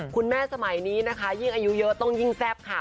สมัยนี้นะคะยิ่งอายุเยอะต้องยิ่งแซ่บค่ะ